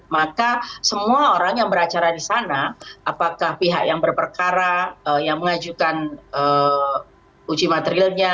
maka semua orang yang beracara di sana apakah pihak yang berperkara yang mengajukan uji materialnya